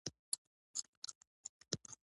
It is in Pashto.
دا د تاریخ د حساسې مقطعې په جریان کې ژور شول.